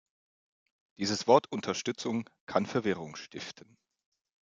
Dieses Wort "Unterstützung" kann Verwirrung stiften.